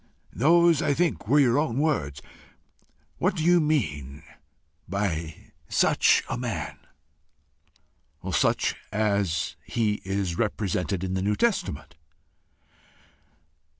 Those, I think, were your own words: what do you mean by SUCH a man?" "Such as he is represented in the New Testament."